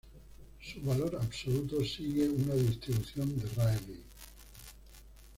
Su valor absoluto sigue una distribución de Rayleigh.